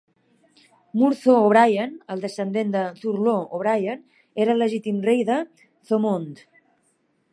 Murtough O'Brien, el descendent de Thurlough O'Brien era el legítim rei de Thomond.